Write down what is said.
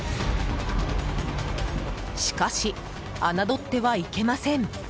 しかし、侮ってはいけません。